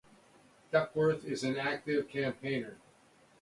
Duckworth is an active campaigner.